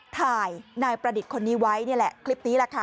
ถ่ายนายประดิษฐ์คนนี้ไว้นี่แหละคลิปนี้แหละค่ะ